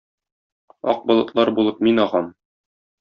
Ак болытлар булып мин агам.